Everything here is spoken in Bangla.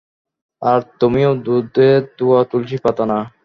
আর তুমিও দুধে ধোয়া তুলসি পাতা না।